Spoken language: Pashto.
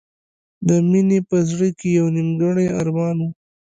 د مینې په زړه کې یو نیمګړی ارمان و